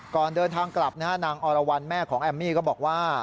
ก่อนเดินทางกลับนางอรวรรณแม่ของแอมมี่ก็บอกว่า